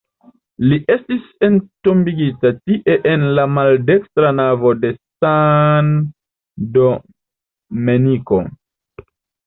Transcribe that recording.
Li estis entombigita tie en la maldekstra navo de San Domenico.